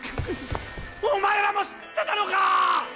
お前らも知ってたのか！？